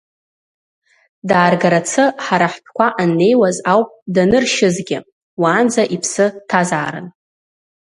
Дааргарцы ҳара ҳтәқәа аннеиуаз ауп даныршьызгьы, уаанӡа иԥсы ҭазаарын.